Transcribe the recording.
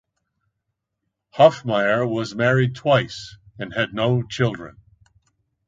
Hofmeyr was married twice and had no children.